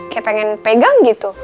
kayak pengen pegang gitu